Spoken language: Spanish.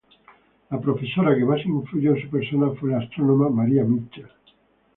La profesora que más influyó en su persona fue la astrónoma Maria Mitchell.